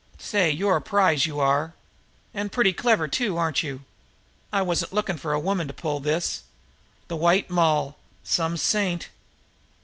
"Say, you're a prize, you are! And pretty clever, too, aren't you? I wasn't looking for a woman to pull this. The White Moll! Some saint!"